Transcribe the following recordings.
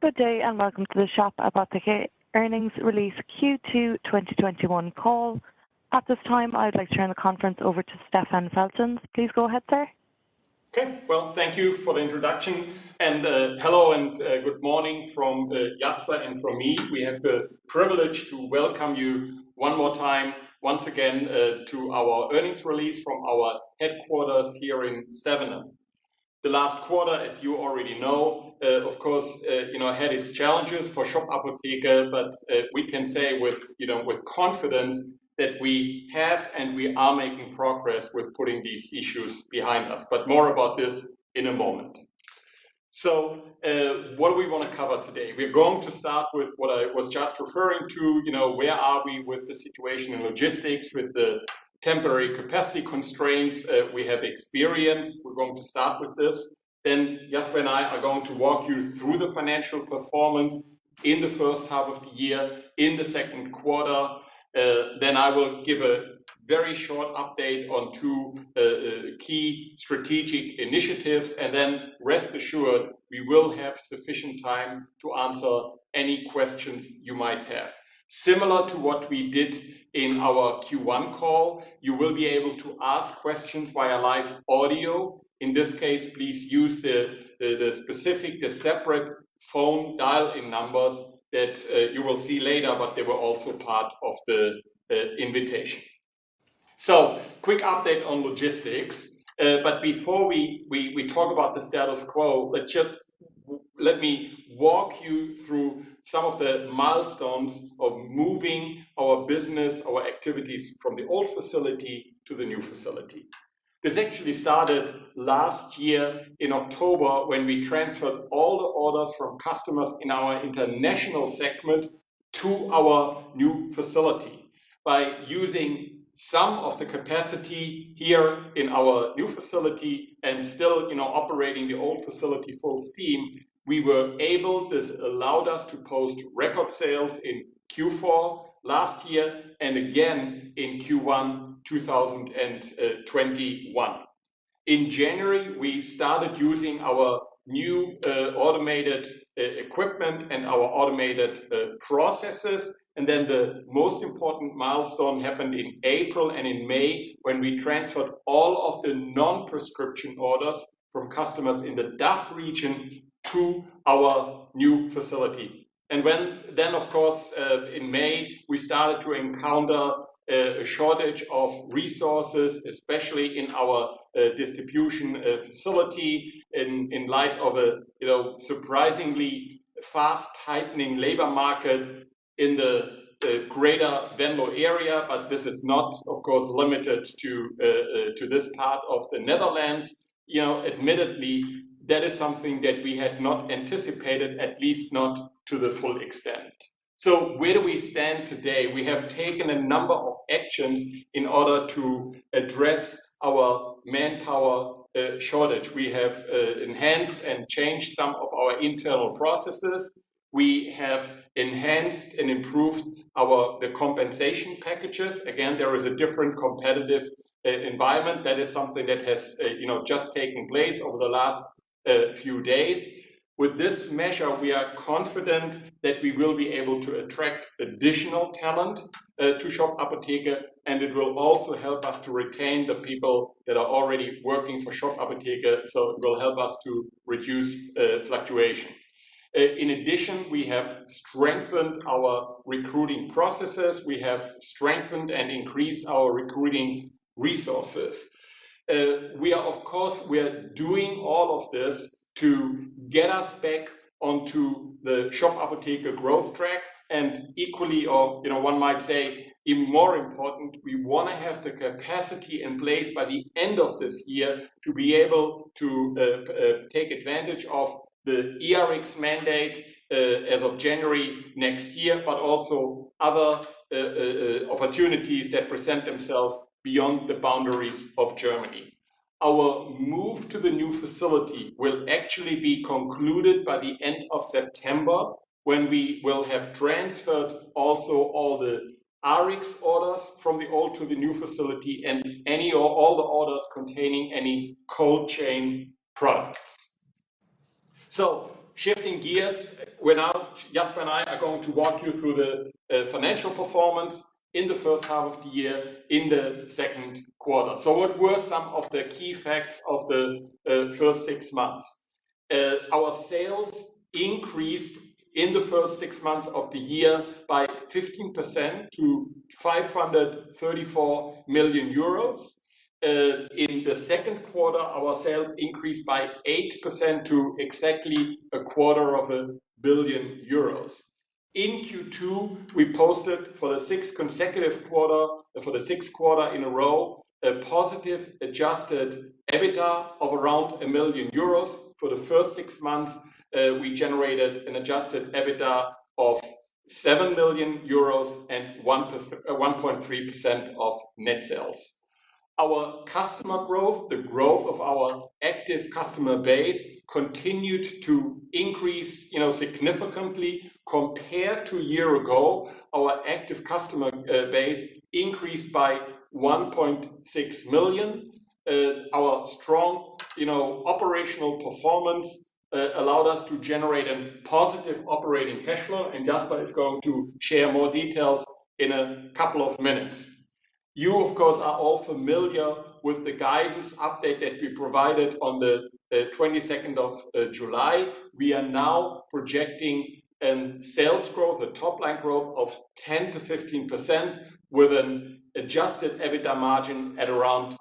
Good day, and welcome to the Shop Apotheke earnings release Q2 2021 call. At this time, I would like to turn the conference over to Stefan Feltens. Please go ahead, sir. Well, thank you for the introduction, and hello, and good morning from Jasper and from me. We have the privilege to welcome you one more time, once again, to our earnings release from our headquarters here in Sevenum. The last quarter, as you already know, of course, had its challenges for Shop Apotheke, but we can say with confidence that we have and we are making progress with putting these issues behind us. More about this in a moment. What do we want to cover today? We're going to start with what I was just referring to. Where are we with the situation in logistics, with the temporary capacity constraints we have experienced? We're going to start with this. Jasper and I are going to walk you through the financial performance in the first half of the year, in the second quarter. I will give a very short update on two key strategic initiatives, rest assured, we will have sufficient time to answer any questions you might have. Similar to what we did in our Q1 call, you will be able to ask questions via live audio. In this case, please use the specific, the separate phone dial-in numbers that you will see later, but they were also part of the invitation. Quick update on logistics. Before we talk about the status quo, just let me walk you through some of the milestones of moving our business, our activities from the old facility to the new facility. This actually started last year in October, when we transferred all the orders from customers in our international segment to our new facility. By using some of the capacity here in our new facility and still operating the old facility full steam, this allowed us to post record sales in Q4 last year and again in Q1 2021. In January, we started using our new automated equipment and our automated processes, and then the most important milestone happened in April and in May, when we transferred all of the non-prescription orders from customers in the DACH region to our new facility. Of course, in May, we started to encounter a shortage of resources, especially in our distribution facility in light of a surprisingly fast-tightening labor market in the greater Venlo area. This is not, of course, limited to this part of the Netherlands. Admittedly, that is something that we had not anticipated, at least not to the full extent. Where do we stand today? We have taken a number of actions in order to address our manpower shortage. We have enhanced and changed some of our internal processes. We have enhanced and improved the compensation packages. Again, there is a different competitive environment. That is something that has just taken place over the last few days. With this measure, we are confident that we will be able to attract additional talent to Shop Apotheke, and it will also help us to retain the people that are already working for Shop Apotheke, so it will help us to reduce fluctuation. In addition, we have strengthened our recruiting processes. We have strengthened and increased our recruiting resources. Of course, we are doing all of this to get us back onto the Shop Apotheke growth track and equally, or one might say even more important, we want to have the capacity in place by the end of this year to be able to take advantage of the eRx mandate as of January next year, but also other opportunities that present themselves beyond the boundaries of Germany. Our move to the new facility will actually be concluded by the end of September, when we will have transferred also all the Rx orders from the old to the new facility and any or all the orders containing any cold chain products. Shifting gears, Jasper and I are going to walk you through the financial performance in the first half of the year in the second quarter. What were some of the key facts of the first six months? Our sales increased in the first six months of the year by 15% to 534 million euros. In the second quarter, our sales increased by 8% to exactly a quarter of a billion EUR. In Q2, we posted for the sixth quarter in a row, a positive adjusted EBITDA of around 1 million euros. For the first six months, we generated an adjusted EBITDA of 7 million euros and 1.3% of net sales. Our customer growth, the growth of our active customer base, continued to increase significantly compared to a year ago. Our active customer base increased by 1.6 million. Our strong operational performance allowed us to generate a positive operating cash flow, and Jasper is going to share more details in a couple of minutes. You, of course, are all familiar with the guidance update that we provided on the 22nd of July. We are now projecting a sales growth, a top-line growth of 10%-15% with an adjusted EBITDA margin at around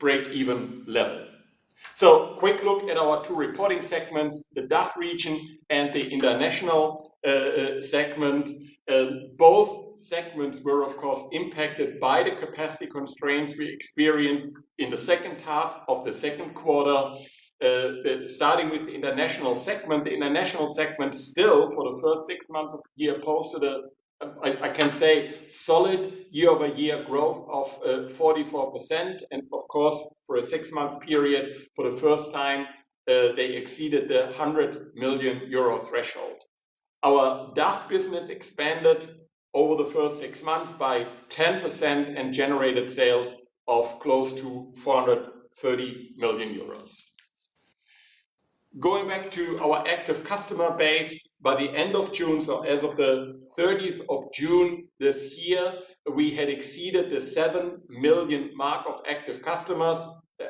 break-even level. A quick look at our two reporting segments, the DACH region and the international segment. Both segments were, of course, impacted by the capacity constraints we experienced in the second half of the second quarter. Starting with the international segment. The international segment still, for the first six months of the year, posted, I can say, solid year-over-year growth of 44%. Of course, for a six-month period, for the first time, they exceeded the 100 million euro threshold. Our DACH business expanded over the first six months by 10% and generated sales of close to 430 million euros. Going back to our active customer base. By the end of June, so as of the 30th of June this year, we had exceeded the 7 million mark of active customers.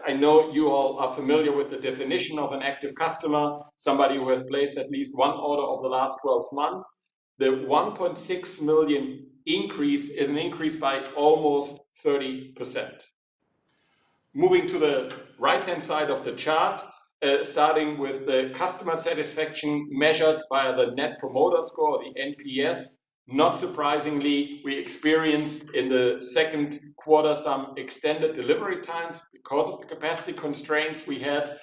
I know you all are familiar with the definition of an active customer, somebody who has placed at least one order over the last 12 months. The 1.6 million increase is an increase by almost 30%. Moving to the right-hand side of the chart, starting with the customer satisfaction measured via the net promoter score, the NPS. Not surprisingly, we experienced in the second quarter some extended delivery times because of the capacity constraints we had.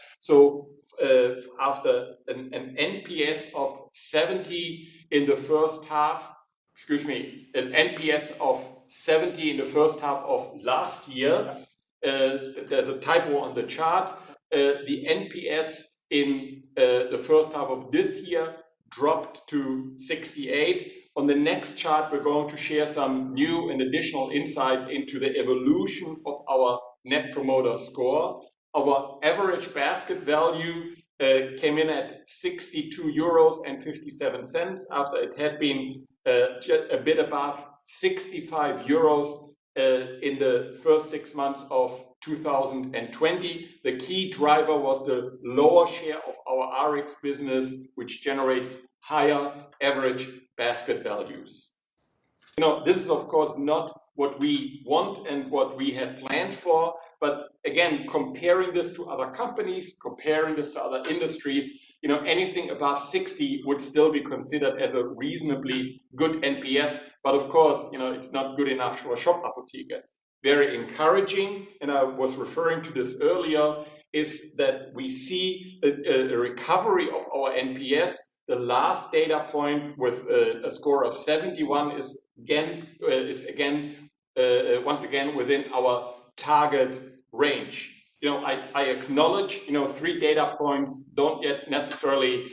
After an NPS of 70 in the first half Excuse me, an NPS of 70 in the first half of last year. There's a typo on the chart. The NPS in the first half of this year dropped to 68. On the next chart, we're going to share some new and additional insights into the evolution of our net promoter score. Our average basket value came in at 62.57 euros, after it had been a bit above 65 euros in the first six months of 2020. The key driver was the lower share of our Rx business, which generates higher average basket values. This is, of course, not what we want and what we had planned for. Again, comparing this to other companies, comparing this to other industries, anything above 60 would still be considered as a reasonably good NPS. Of course, it's not good enough for Shop Apotheke. Very encouraging, and I was referring to this earlier, is that we see a recovery of our NPS. The last data point with a score of 71 is once again within our target range. I acknowledge 3 data points don't yet necessarily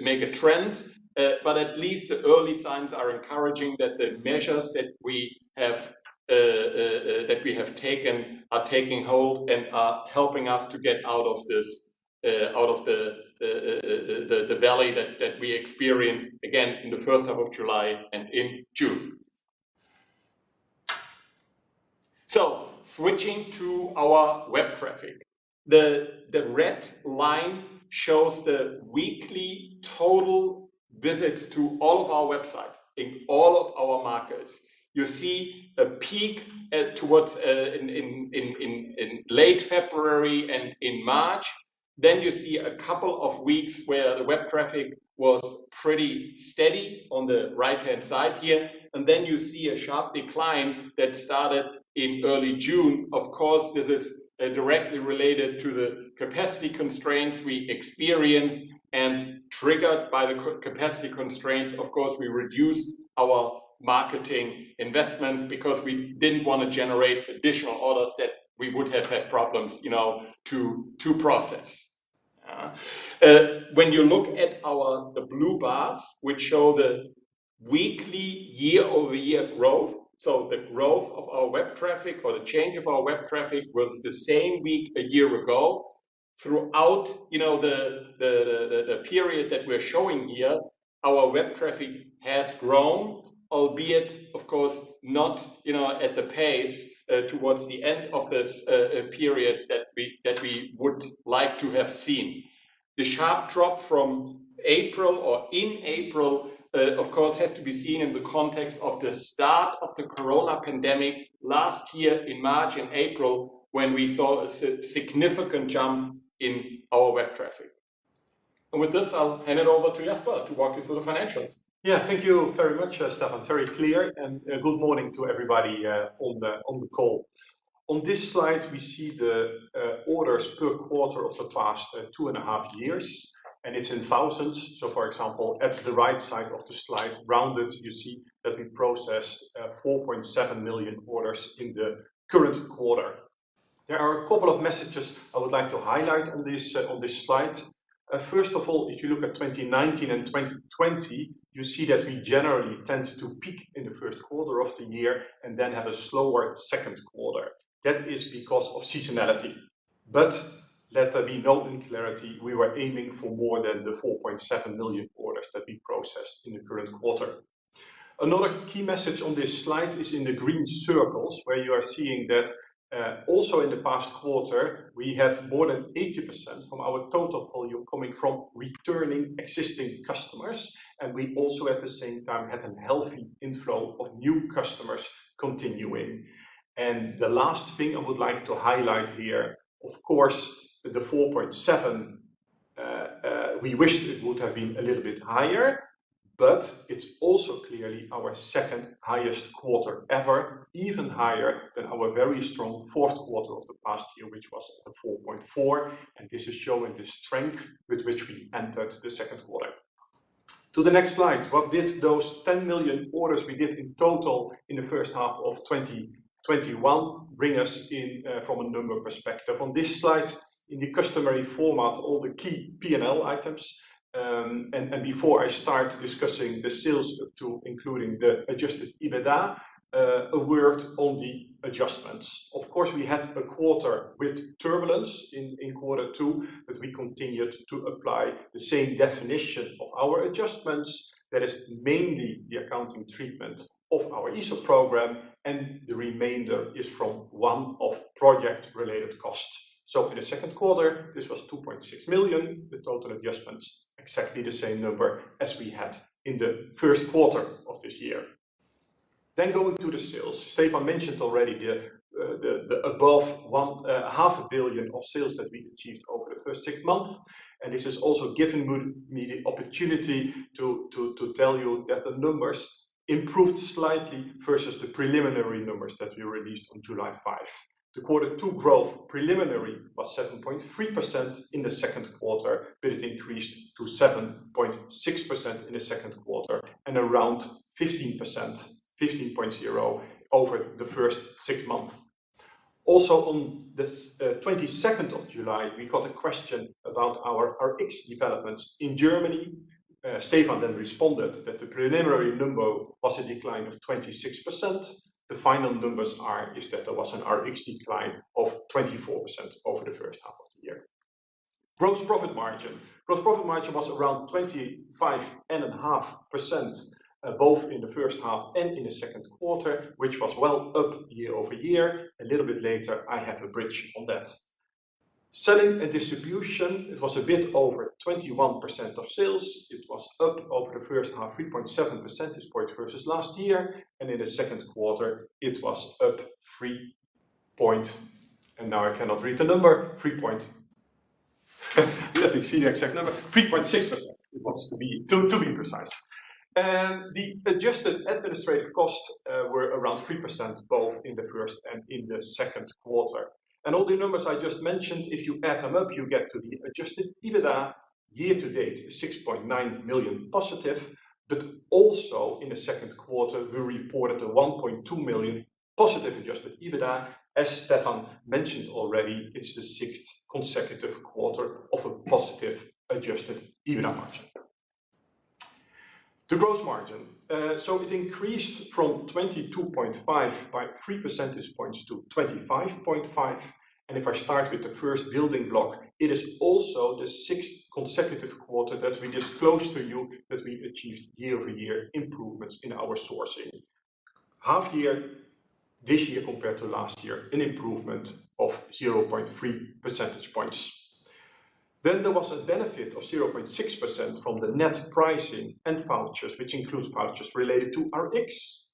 make a trend. At least the early signs are encouraging that the measures that we have taken are taking hold and are helping us to get out of the valley that we experienced, again, in the first half of July and in June. Switching to our web traffic. The red line shows the weekly total visits to all of our websites in all of our markets. You see a peak towards in late February and in March. You see a couple of weeks where the web traffic was pretty steady on the right-hand side here. You see a sharp decline that started in early June. Of course, this is directly related to the capacity constraints we experienced and triggered by the capacity constraints. Of course, we reduced our marketing investment because we didn't want to generate additional orders that we would have had problems to process. When you look at the blue bars, which show the weekly year-over-year growth, so the growth of our web traffic or the change of our web traffic with the same week a year ago. Throughout the period that we're showing here, our web traffic has grown, albeit, of course, not at the pace towards the end of this period that we would like to have seen. The sharp drop from April or in April, of course, has to be seen in the context of the start of the COVID pandemic last year in March and April, when we saw a significant jump in our web traffic. With this, I'll hand it over to Jasper to walk you through the financials. Thank you very much, Stefan. Very clear. Good morning to everybody on the call. On this slide, we see the orders per quarter of the past two and a half years, and it's in thousands. For example, at the right side of the slide, rounded, you see that we processed 4.7 million orders in the current quarter. There are a couple of messages I would like to highlight on this slide. First of all, if you look at 2019 and 2020, you see that we generally tend to peak in the first quarter of the year and then have a slower second quarter. That is because of seasonality. Let there be no unclarity, we were aiming for more than the 4.7 million orders that we processed in the current quarter. Another key message on this slide is in the green circles, where you are seeing that also in the past quarter, we had more than 80% from our total volume coming from returning existing customers, and we also at the same time had a healthy inflow of new customers continuing. The last thing I would like to highlight here, of course, the 4.7, we wish it would have been a little bit higher, but it's also clearly our second highest quarter ever, even higher than our very strong fourth quarter of the past year, which was at a 4.4, and this is showing the strength with which we entered the second quarter. To the next slide. What did those 10 million orders we did in total in the first half of 2021 bring us in from a number perspective? On this slide, in the customary format, all the key P&L items. Before I start discussing the sales tool, including the adjusted EBITDA, a word on the adjustments. Of course, we had a quarter with turbulence in quarter two, but we continued to apply the same definition of our adjustments. That is mainly the accounting treatment of our ESOP program, and the remainder is from one-off project related costs. In the second quarter, this was 2.6 million, the total adjustments, exactly the same number as we had in the first quarter of this year. Going to the sales. Stefan mentioned already the above 500 million of sales that we achieved over the first six months, and this has also given me the opportunity to tell you that the numbers improved slightly versus the preliminary numbers that we released on July 5. The Q2 growth preliminary was 7.3% in the second quarter, but it increased to 7.6% in the second quarter and around 15.0% over the first six months. On the 22nd of July, we got a question about our Rx developments in Germany. Stefan then responded that the preliminary number was a decline of 26%. The final numbers are is that there was an Rx decline of 24% over the first half of the year. Gross profit margin. Gross profit margin was around 25.5%, both in the first half and in the second quarter, which was well up year-over-year. A little bit later, I have a bridge on that. Selling and distribution, it was a bit over 21% of sales. It was up over the first half, 3.7 percentage points versus last year. In the second quarter, it was up 3.6%, to be precise. The adjusted administrative costs were around 3%, both in the first and in the second quarter. All the numbers I just mentioned, if you add them up, you get to the adjusted EBITDA year to date, 6.9 million positive. Also in the second quarter, we reported a 1.2 million positive adjusted EBITDA. As Stefan mentioned already, it's the sixth consecutive quarter of a positive adjusted EBITDA margin. The gross margin. It increased from 22.5% by 3 percentage points to 25.5%. If I start with the first building block, it is also the sixth consecutive quarter that we disclose to you that we've achieved year-over-year improvements in our sourcing. Half year this year compared to last year, an improvement of 0.3 percentage points. There was a benefit of 0.6% from the net pricing and vouchers, which includes vouchers related to Rx.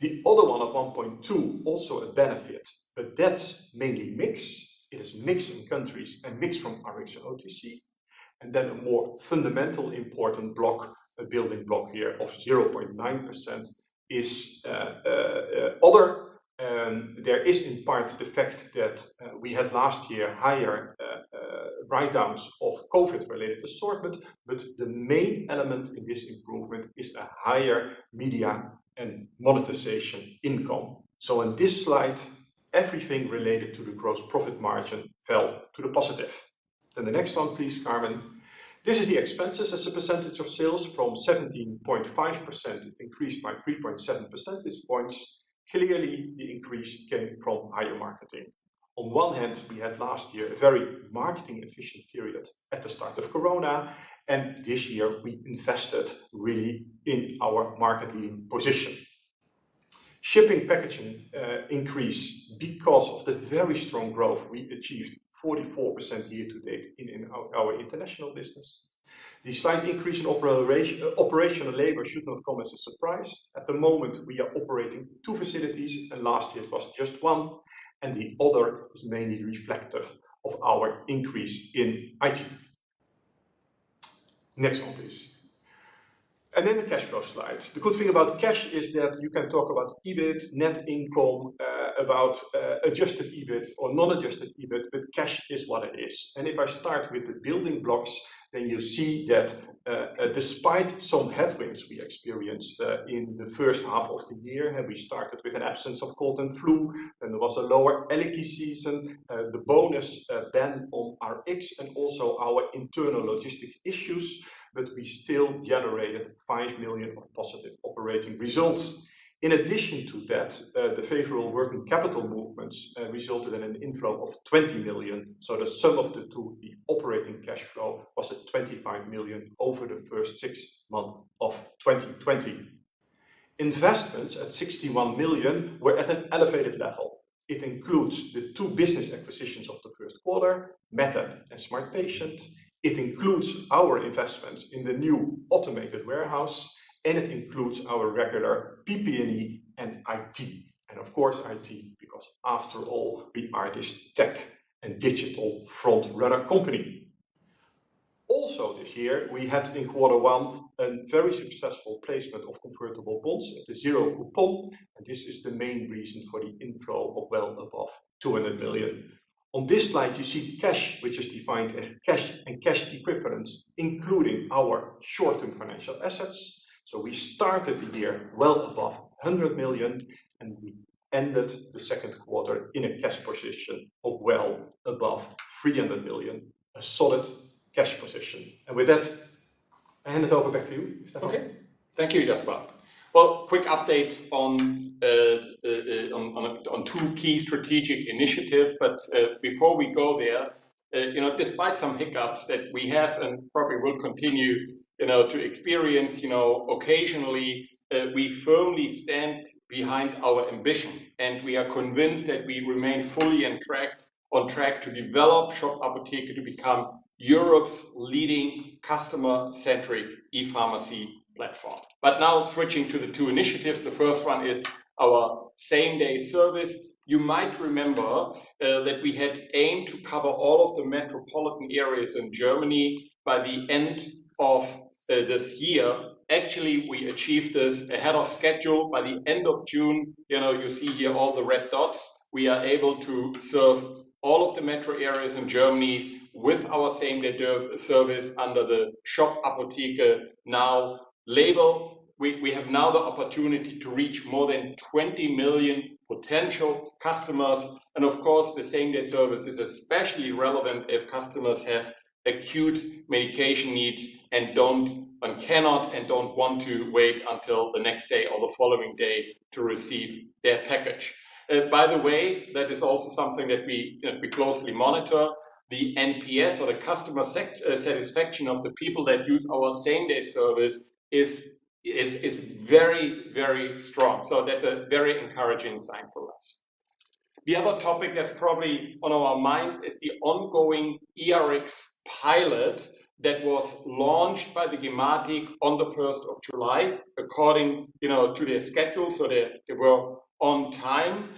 The other one of 1.2, also a benefit, but that's mainly mix. It is mix in countries and mix from Rx to OTC. A more fundamental important block, a building block here of 0.9% is other. There is in part the fact that we had last year higher write-downs of COVID-related assortment, but the main element in this improvement is a higher media and monetization income. On this slide, everything related to the gross profit margin fell to the positive. The next one, please, Carmen. This is the expenses as a percentage of sales. From 17.5%, it increased by 3.7 percentage points. Clearly, the increase came from higher marketing. On one hand, we had last year a very marketing efficient period at the start of Corona, and this year we invested really in our marketing position. Shipping packaging increase because of the very strong growth we achieved, 44% year to date in our international business. The slight increase in operational labor should not come as a surprise. At the moment, we are operating two facilities, and last year it was just one, and the other is mainly reflective of our increase in IT. Next one, please. The cash flow slides. The good thing about cash is that you can talk about EBIT, net income, about adjusted EBIT or non-adjusted EBIT, but cash is what it is. If I start with the building blocks, you see that despite some headwinds we experienced in the first half of the year, we started with an absence of cold and flu, there was a lower allergy season, the bonus on our Rx, and also our internal logistics issues, we still generated 5 million of positive operating results. In addition to that, the favorable working capital movements resulted in an inflow of 20 million. The sum of the two, the operating cash flow, was at 25 million over the first six months of 2020. Investments at 61 million were at an elevated level. It includes the two business acquisitions of the first quarter, MedApp and smartpatient. It includes our investments in the new automated warehouse, and it includes our regular PP&E and IT. Of course, IT, because after all, we are this tech and digital front-runner company. Also this year, we had in quarter one a very successful placement of convertible bonds at the zero coupon, and this is the main reason for the inflow of well above 200 million. On this slide, you see cash, which is defined as cash and cash equivalents, including our short-term financial assets. We started the year well above 100 million, and we ended the second quarter in a cash position of well above 300 million. A solid cash position. With that, I hand it over back to you. Is that okay? Okay. Thank you, Jasper. Well, quick update on two key strategic initiatives. Before we go there, despite some hiccups that we have and probably will continue to experience occasionally, we firmly stand behind our ambition, and we are convinced that we remain fully on track to develop Shop Apotheke to become Europe's leading customer-centric e-pharmacy platform. Now switching to the two initiatives. The first one is our same-day service. You might remember that we had aimed to cover all of the metropolitan areas in Germany by the end of this year. Actually, we achieved this ahead of schedule by the end of June. You see here all the red dots. We are able to serve all of the metro areas in Germany with our same-day service under the Shop Apotheke Now! label. We have now the opportunity to reach more than 20 million potential customers. Of course, the same-day service is especially relevant if customers have acute medication needs and cannot and don't want to wait until the next day or the following day to receive their package. By the way, that is also something that we closely monitor. The NPS or the customer satisfaction of the people that use our same-day service is very, very strong. That's a very encouraging sign for us. The other topic that's probably on our minds is the ongoing eRx pilot that was launched by the gematik on the 1st of July, according to their schedule, so they were on time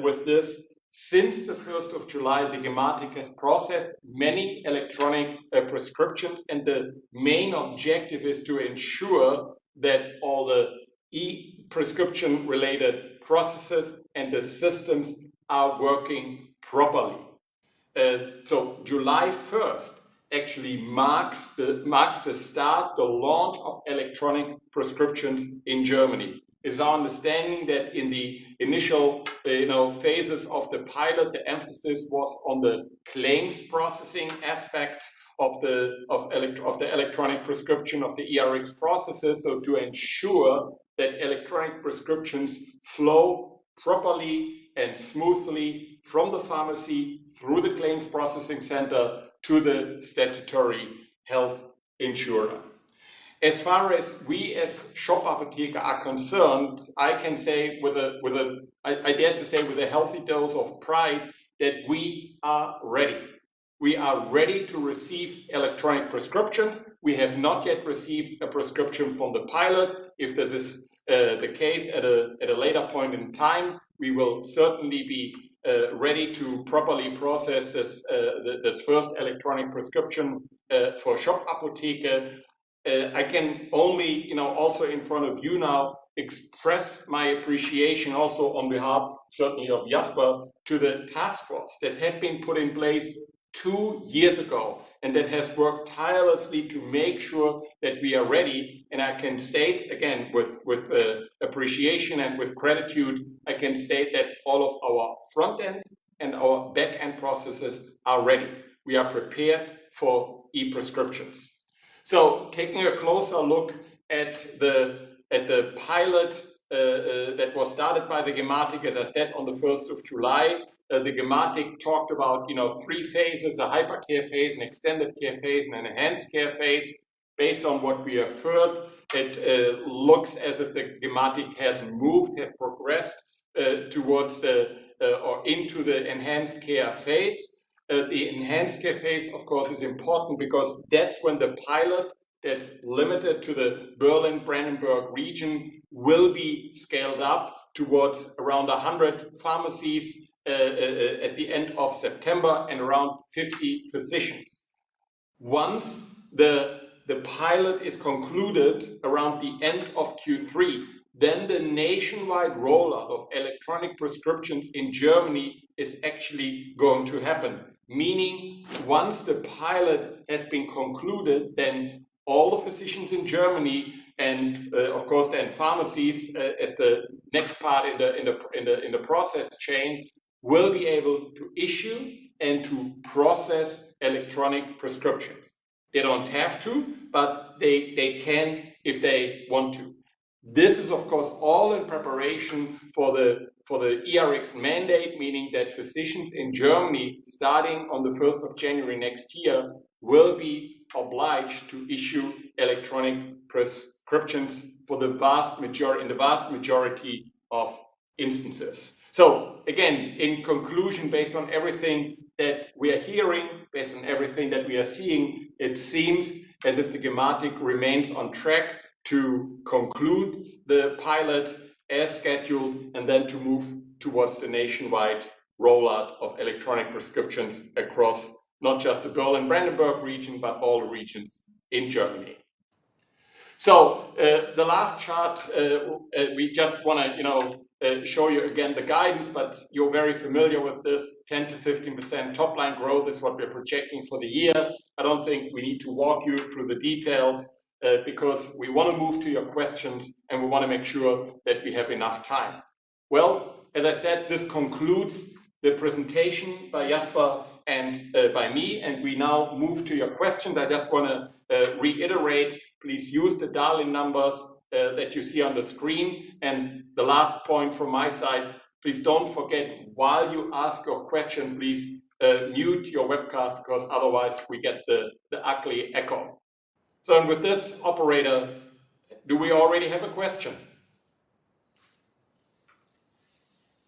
with this. Since the 1st of July, the gematik has processed many electronic prescriptions, and the main objective is to ensure that all the e-prescription related processes and the systems are working properly. July 1st actually marks the start, the launch of electronic prescriptions in Germany. It's our understanding that in the initial phases of the pilot, the emphasis was on the claims processing aspect of the electronic prescription of the eRx processes. To ensure that electronic prescriptions flow properly and smoothly from the pharmacy through the claims processing center to the statutory health insurer. As far as we as Shop Apotheke are concerned, I can say with, I dare to say with a healthy dose of pride, that we are ready. We are ready to receive electronic prescriptions. We have not yet received a prescription from the pilot. If this is the case at a later point in time, we will certainly be ready to properly process this first electronic prescription for Shop Apotheke. I can only, also in front of you now, express my appreciation also on behalf certainly of Jasper, to the task force that had been put in place two years ago, and that has worked tirelessly to make sure that we are ready. I can state, again, with appreciation and with gratitude, I can state that all of our front-end and our back-end processes are ready. We are prepared for e-prescriptions. Taking a closer look at the pilot that was started by the gematik, as I said, on the 1st of July. The gematik talked about three phases, a hyper care phase, an extended care phase, and an enhanced care phase. Based on what we have heard, it looks as if the gematik has moved, has progressed towards or into the enhanced care phase. The enhanced care phase, of course, is important because that's when the pilot that's limited to the Berlin-Brandenburg region will be scaled up towards around 100 pharmacies at the end of September and around 50 physicians. Once the pilot is concluded around the end of Q3, the nationwide rollout of electronic prescriptions in Germany is actually going to happen. Meaning, once the pilot has been concluded, then all the physicians in Germany and, of course, then pharmacies, as the next part in the process chain, will be able to issue and to process electronic prescriptions. They don't have to, but they can if they want to. This is, of course, all in preparation for the eRx mandate, meaning that physicians in Germany, starting on the 1st of January next year, will be obliged to issue electronic prescriptions in the vast majority of instances. Again, in conclusion, based on everything that we are hearing, based on everything that we are seeing, it seems as if the gematik remains on track to conclude the pilot as scheduled, and then to move towards the nationwide rollout of electronic prescriptions across not just the Berlin-Brandenburg region, but all the regions in Germany. The last chart, we just want to show you again the guidance, but you're very familiar with this, 10%-15% top-line growth is what we're projecting for the year. I don't think we need to walk you through the details, because we want to move to your questions, and we want to make sure that we have enough time. As I said, this concludes the presentation by Jasper and by me, and we now move to your questions. I just want to reiterate, please use the dialing numbers that you see on the screen. The last point from my side, please don't forget, while you ask your question, please mute your webcast, because otherwise we get the ugly echo. With this, operator, do we already have a question?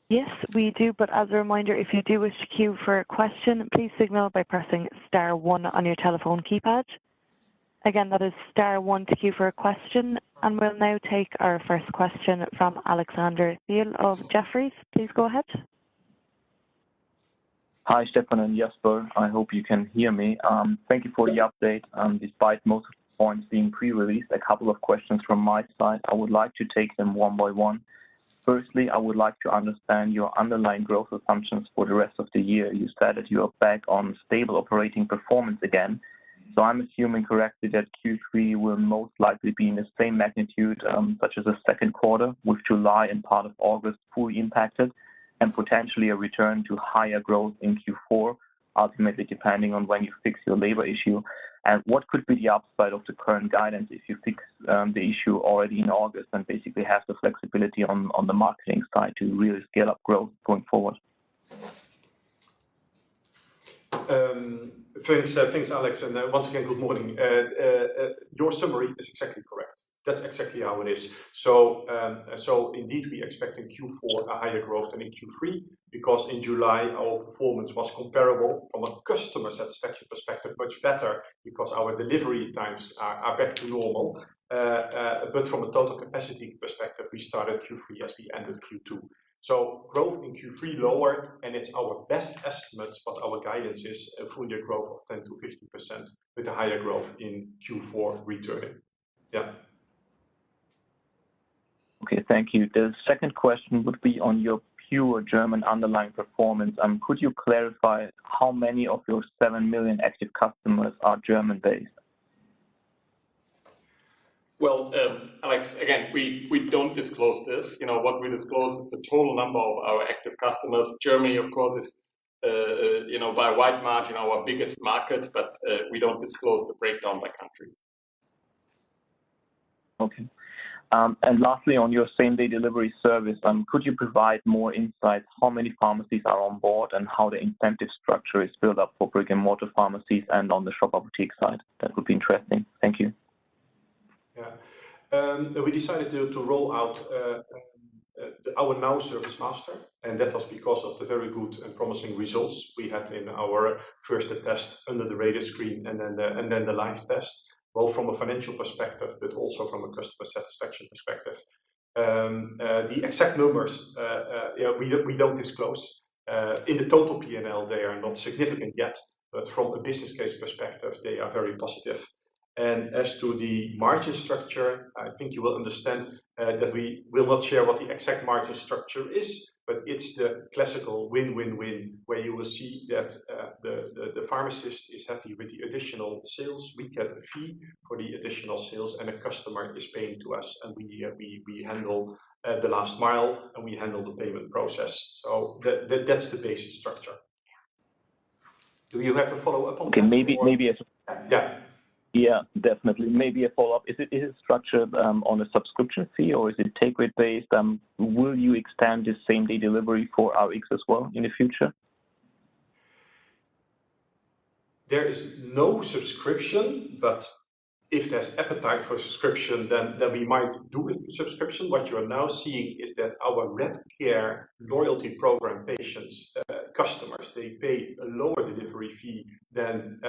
Yes, we do. As a reminder, if you do wish to queue for a question, please signal by pressing star one on your telephone keypad. Again, that is star one to queue for a question. We'll now take our first question from Alexander Thiel of Jefferies. Please go ahead. Hi, Stefan and Jasper. I hope you can hear me. Thank you for the update. Despite most of the points being pre-released, a couple of questions from my side. I would like to take them one by one. Firstly, I would like to understand your underlying growth assumptions for the rest of the year. You said that you are back on stable operating performance again. I'm assuming correctly that Q3 will most likely be in the same magnitude, such as the second quarter, with July and part of August fully impacted, and potentially a return to higher growth in Q4, ultimately depending on when you fix your labor issue. What could be the upside of the current guidance if you fix the issue already in August and basically have the flexibility on the marketing side to really scale up growth going forward? Thanks, Alex, and once again, good morning. Your summary is exactly correct. That's exactly how it is. Indeed, we expect in Q4 a higher growth than in Q3, because in July our performance was comparable from a customer satisfaction perspective, much better because our delivery times are back to normal. From a total capacity perspective, we started Q3 as we end with Q2. Growth in Q3 lowered, and it's our best estimate, but our guidance is a full year growth of 10%-15% with a higher growth in Q4 returning. Yeah. Okay. Thank you. The second question would be on your pure German underlying performance. Could you clarify how many of your 7 million active customers are German-based? Well, Alex, again, we don't disclose this. What we disclose is the total number of our active customers. Germany, of course, is by a wide margin our biggest market, but we don't disclose the breakdown by country. Okay. Lastly, on your same-day delivery service, could you provide more insight how many pharmacies are on board and how the incentive structure is built up for brick-and-mortar pharmacies and on the Shop Apotheke side? That would be interesting. Thank you. We decided to roll out our Now! service master. That was because of the very good and promising results we had in our first test under the radar screen, then the live test, both from a financial perspective, also from a customer satisfaction perspective. The exact numbers, we don't disclose. In the total P&L they are not significant yet, from a business case perspective, they are very positive. As to the margin structure, I think you will understand that we will not share what the exact margin structure is, it's the classical win-win-win, where you will see that the pharmacist is happy with the additional sales. We get a fee for the additional sales, a customer is paying to us. We handle the last mile, and we handle the payment process. That's the basic structure. Do you have a follow-up on that? Okay, maybe. Yeah. Yeah, definitely. Maybe a follow-up. Is it structured on a subscription fee, or is it take rate based? Will you expand the same-day delivery for Rx as well in the future? There is no subscription, but if there's appetite for a subscription, then we might do a subscription. What you are now seeing is that our Redcare loyalty program patients, customers, they pay a lower delivery fee than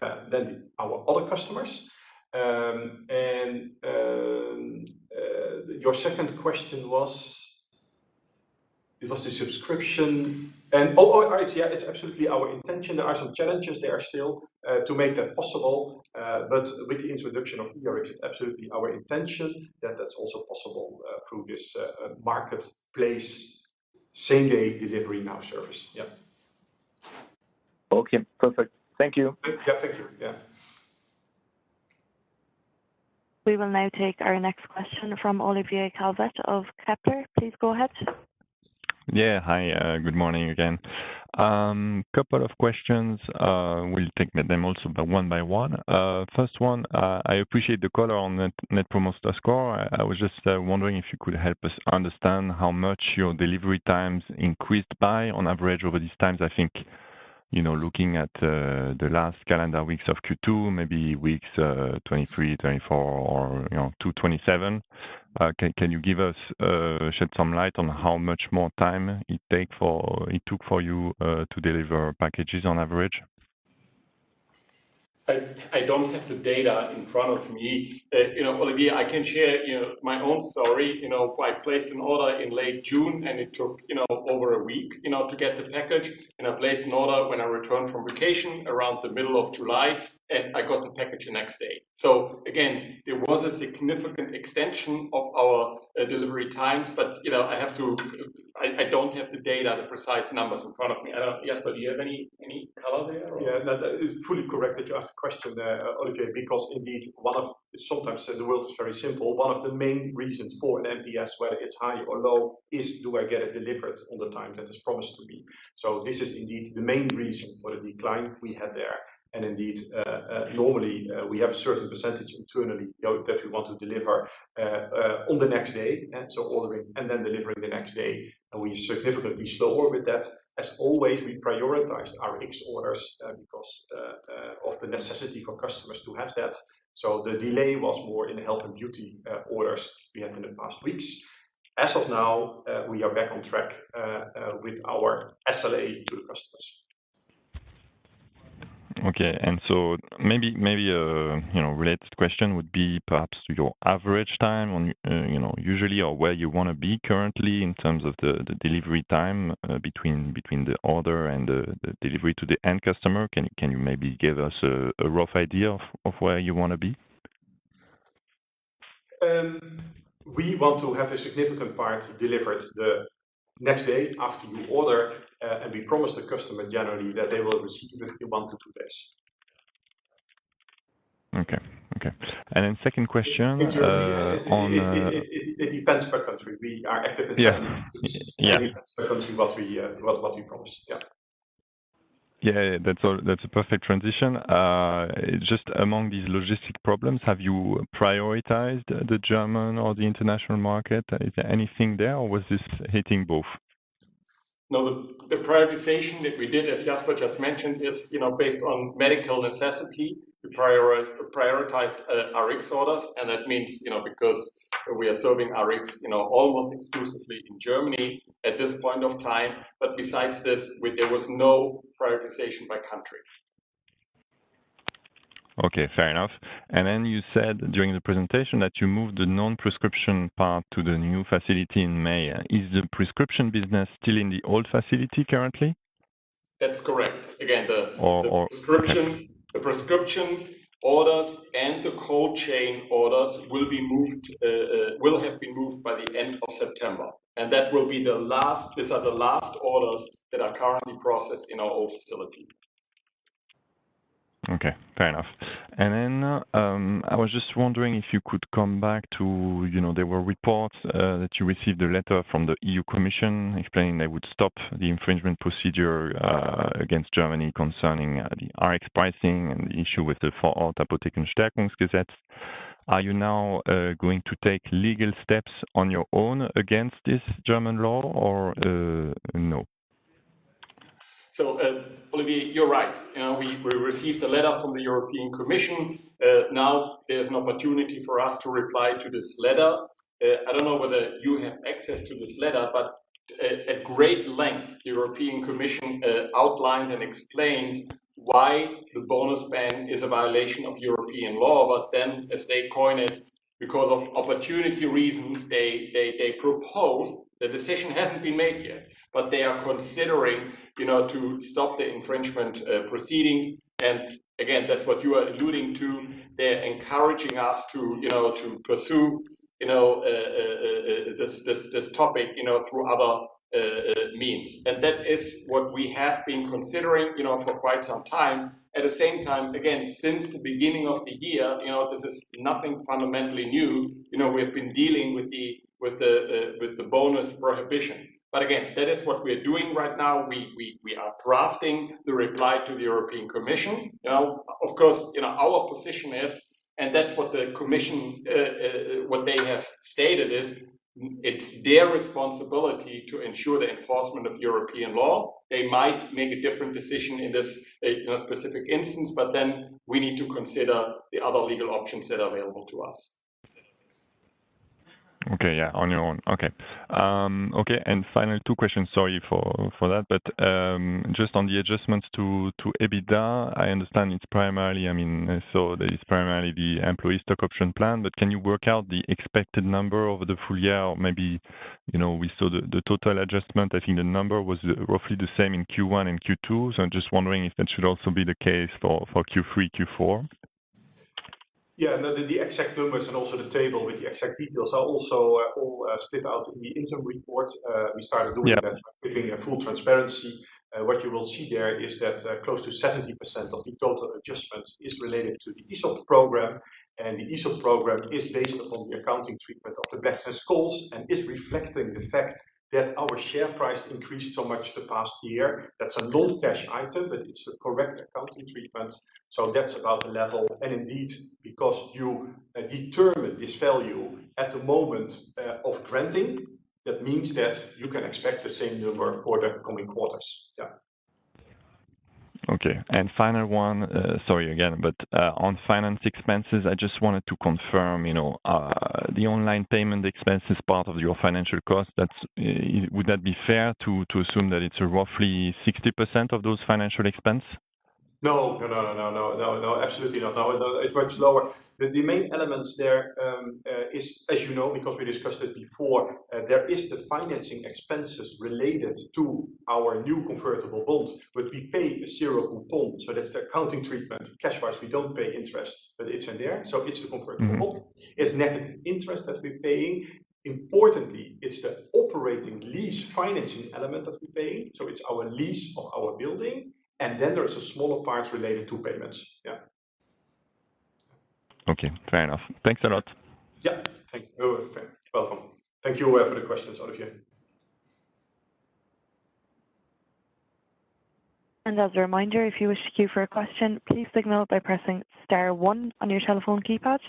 our other customers. Your second question was the subscription. It's absolutely our intention. There are some challenges there still to make that possible, but with the introduction of eRx, it's absolutely our intention that that's also possible through this marketplace same-day delivery Now! service. Yeah. Okay, perfect. Thank you. Yeah, thank you. Yeah. We will now take our next question from Olivier Calvet of Kepler. Please go ahead. Yeah. Hi, good morning again. Couple of questions. We'll take them also one by one. First one, I appreciate the color on net promoter score. I was just wondering if you could help us understand how much your delivery times increased by on average over these times. I think, looking at the last calendar weeks of Q2, maybe weeks 23, 24, or to 27. Can you shed some light on how much more time it took for you to deliver packages on average? I don't have the data in front of me. Olivier, I can share my own story. I placed an order in late June, and it took over a week to get the package, and I placed an order when I returned from vacation around the middle of July, and I got the package the next day. Again, it was a significant extension of our delivery times, but I don't have the data, the precise numbers in front of me. Jasper, do you have any color there or? Yeah, that is fully correct that you ask the question there, Olivier, because indeed, sometimes the world is very simple. One of the main reasons for an NPS, whether it's high or low, is do I get it delivered on the time that is promised to me? This is indeed the main reason for the decline we had there. Indeed, normally, we have a certain percentage internally that we want to deliver on the next day. Ordering and then delivering the next day, and we significantly slower with that. As always, we prioritize our Rx orders because of the necessity for customers to have that. The delay was more in health and beauty orders we had in the past weeks. As of now, we are back on track with our SLA to the customers. Okay. Maybe a related question would be perhaps your average time usually, or where you want to be currently in terms of the delivery time between the order and the delivery to the end customer. Can you maybe give us a rough idea of where you want to be? We want to have a significant part delivered the next day after you order, and we promise the customer generally that they will receive it in one to two days. Okay. Then second question- In Germany. It depends per country. We are active in 70 countries. Yeah. It depends per country what we promise. Yeah. Yeah. That's a perfect transition. Just among these logistic problems, have you prioritized the German or the international market? Is there anything there or was this hitting both? No, the prioritization that we did, as Jasper just mentioned, is based on medical necessity. We prioritized Rx orders. That means because we are serving Rx almost exclusively in Germany at this point of time. Besides this, there was no prioritization by country. Okay, fair enough. You said during the presentation that you moved the non-prescription part to the new facility in May. Is the prescription business still in the old facility currently? That's correct. Again, the prescription orders and the cold chain orders will have been moved by the end of September. These are the last orders that are currently processed in our old facility. Okay, fair enough. I was just wondering if you could come back. There were reports that you received a letter from the EU Commission explaining they would stop the infringement procedure against Germany concerning the Rx pricing and the issue with the Vor-Ort-Apotheken-Stärkungsgesetz. Are you now going to take legal steps on your own against this German law or no? Olivier, you're right. We received a letter from the European Commission. There's an opportunity for us to reply to this letter. I don't know whether you have access to this letter, but at great length, the European Commission outlines and explains why the bonus ban is a violation of European law. As they coin it, because of opportunity reasons, they propose, the decision hasn't been made yet, but they are considering to stop the infringement proceedings. Again, that's what you are alluding to. They're encouraging us to pursue this topic through other means. That is what we have been considering for quite some time. At the same time, again, since the beginning of the year, this is nothing fundamentally new. We have been dealing with the bonus prohibition. Again, that is what we are doing right now. We are drafting the reply to the European Commission. Of course, our position is, that's what they have stated is, it's their responsibility to ensure the enforcement of European law. They might make a different decision in this specific instance, we need to consider the other legal options that are available to us. Okay. Yeah, on your own. Okay. Final two questions. Sorry for that. Just on the adjustments to EBITDA, I understand it's primarily the employee stock option plan, but can you work out the expected number over the full year? Maybe, we saw the total adjustment, I think the number was roughly the same in Q1 and Q2. I'm just wondering if that should also be the case for Q3, Q4? Yeah. No, the exact numbers and also the table with the exact details are also all split out in the interim report. We started doing that- Yeah -giving a full transparency. What you will see there is that close to 70% of the total adjustments is related to the ESOP program. The ESOP program is based upon the accounting treatment of the Black-Scholes and is reflecting the fact that our share price increased so much the past year. That's a non-cash item, but it's a correct accounting treatment, so that's about the level. Indeed, because you determine this value at the moment of granting, that means that you can expect the same number for the coming quarters. Yeah. Okay. Final one, sorry again, on finance expenses, I just wanted to confirm, the online payment expense is part of your financial cost. Would that be fair to assume that it's roughly 60% of those financial expense? No, absolutely not. No, it's much lower. The main elements there is, as you know, because we discussed it before, there is the financing expenses related to our new convertible bonds, but we pay zero coupon, so that's the accounting treatment. Cash wise, we don't pay interest, but it's in there, so it's the convertible bond. It's net interest that we're paying. Importantly, it's the operating lease financing element that we're paying. It's our lease of our building, and then there is a smaller part related to payments. Yeah. Okay, fair enough. Thanks a lot. Yeah. Thanks. You're welcome. Thank you for the questions, Olivier. As a reminder, if you wish to queue for a question, please signal by pressing star one on your telephone keypad.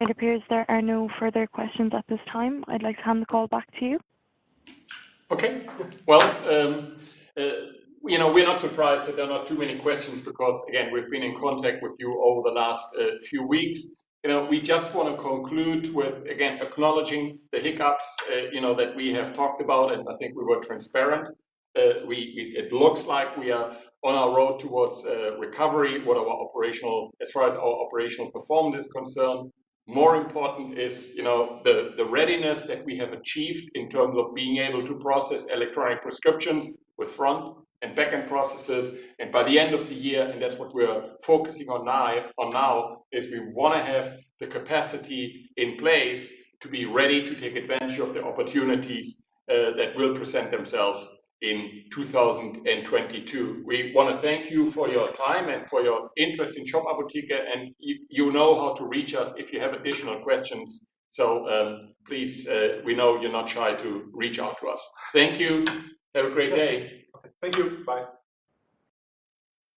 It appears there are no further questions at this time. I'd like to hand the call back to you. Okay. Well, we're not surprised that there are not too many questions because, again, we've been in contact with you over the last few weeks. We just want to conclude with, again, acknowledging the hiccups that we have talked about, and I think we were transparent. It looks like we are on our road towards recovery as far as our operational performance is concerned. More important is the readiness that we have achieved in terms of being able to process electronic prescriptions with front and back-end processes. By the end of the year, and that's what we're focusing on now, is we want to have the capacity in place to be ready to take advantage of the opportunities that will present themselves in 2022. We want to thank you for your time and for your interest in Shop Apotheke. You know how to reach us if you have additional questions. Please, we know you're not shy to reach out to us. Thank you. Have a great day. Thank you. Bye.